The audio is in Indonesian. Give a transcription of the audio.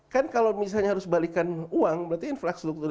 kan kalau misalnya harus balikan uang berarti infrastruktur